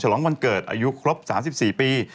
ลองวันเกิดอายุครบ๓๔ปี